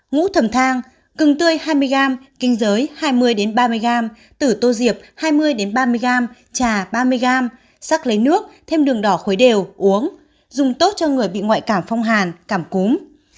ngũ thầm thang gừng tươi hai mươi g kinh giới hai mươi ba mươi g tử tô diệp hai mươi ba mươi g trà ba mươi g sắc lấy nước thêm đường đỏ khối đều uống dùng tốt cho người bị ngoại cảm phong hàn cảm cúm